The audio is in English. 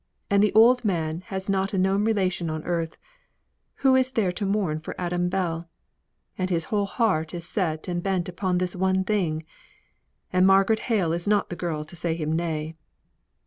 And the old man has not a known relation on earth; 'who is there to mourn for Adam Bell?' and his whole heart is set and bent upon this one thing, and Margaret Hale is not the girl to say him nay.